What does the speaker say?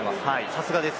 さすがです。